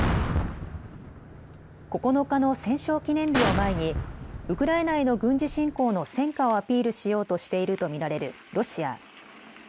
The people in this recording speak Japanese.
９日の戦勝記念日を前にウクライナへの軍事侵攻の戦果をアピールしようとしていると見られるロシア。